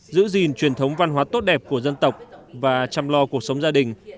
giữ gìn truyền thống văn hóa tốt đẹp của dân tộc và chăm lo cuộc sống gia đình